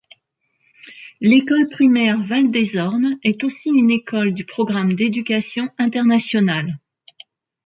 L'école primaire Val-Des-Ormes est aussi une école du programme d'éducation internationale.